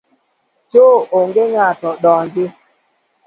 Cho onge ng’ato donji.